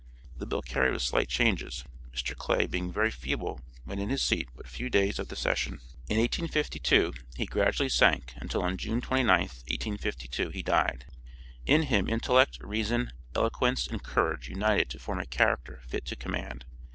The bill carried with slight changes. Mr. Clay being very feeble was in his seat but few days of the session. In 1852 he gradually sank until on June 29th, 1852, he died. In him intellect, reason, eloquence, and courage united to form a character fit to command.